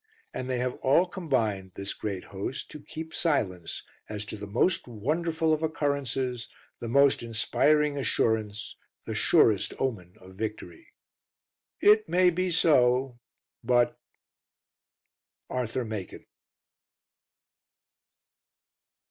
And they have all combined, this great host, to keep silence as to the most wonderful of occurrences, the most inspiring assurance, the surest omen of victory. It may be so, but Arthur Machen.